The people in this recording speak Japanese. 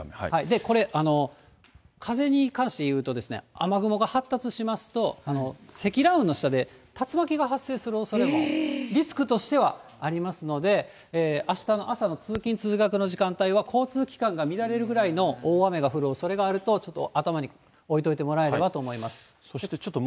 これ、風に関していうと、雨雲が発達しますと、積乱雲の下で竜巻が発生するおそれも、リスクとしてはありますので、あしたの朝の通勤・通学の時間帯は、交通機関が乱れるぐらいの大雨が降るおそれがあると、ちょっと頭に置いといてもらえればと思います。